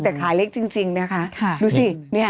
แต่ขาเล็กจริงนะคะดูสิ